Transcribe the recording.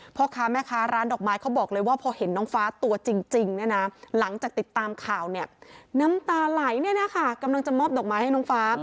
พ่อค้าแม่ค้าร้านดอกไม้เขาบอกเลยว่าพอเห็นน้องฟ้าตัวจริงเนี่ยนะหลังจากติดตามข่าวเนี่ยน้ำตาไหลเนี่ยนะคะกำลังจะมอบดอกไม้ให้น้องฟ้า